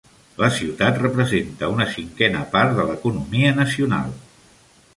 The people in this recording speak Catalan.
La ciutat representa una cinquena part de l'economia nacional.